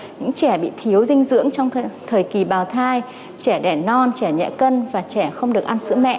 những trẻ bị thiếu dinh dưỡng trong thời kỳ bào thai trẻ đẻ non trẻ nhẹ cân và trẻ không được ăn sữa mẹ